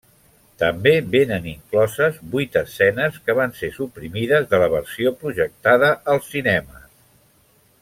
També vénen incloses vuit escenes que van ser suprimides de la versió projectada als cinemes.